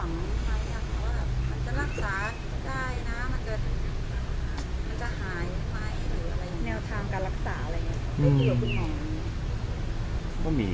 มันจะหายไหมหรืออะไรอย่างงี้